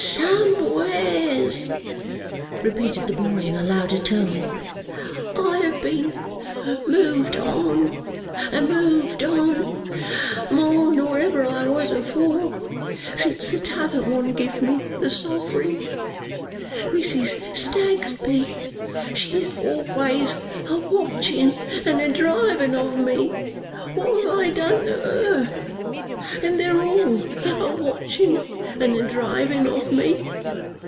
"Somewheres," repeated the boy in a louder tone. "I have been moved on, and moved on, more nor ever I was afore, since the t'other one give me the sov'ring. Mrs. Snagsby, she's always a watching, and a driving of me what have I done to her? and they're all a watching and a driving of me.